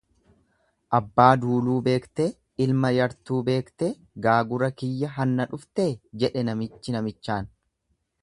Abbaa duuluu beektee, ilma yartuu beektee gaagura kiyya hanna dhuftee jedhe namichi namichaan.